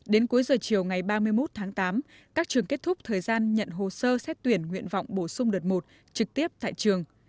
đến cuối giờ chiều ngày ba mươi một tháng tám các trường kết thúc thời gian nhận hồ sơ xét tuyển nguyện vọng bổ sung đợt một trực tiếp tại trường